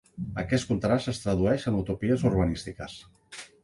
Aquest contrast es tradueix en utopies urbanístiques.